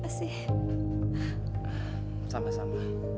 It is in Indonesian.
ah tak ajar